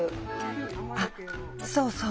あそうそう